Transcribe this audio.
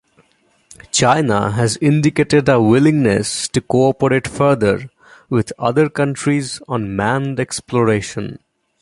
China has indicated a willingness to cooperate further with other countries on manned exploration.